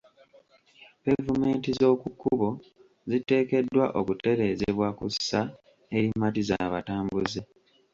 Pevumenti z'oku kkubo ziteekeddwa okutereezebwa ku ssa erimatiza abatambuze.